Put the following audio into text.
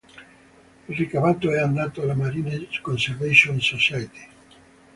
Il ricavato è andato alla Marine Conservation Society.